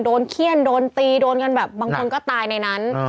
เขี้ยนโดนตีโดนกันแบบบางคนก็ตายในนั้น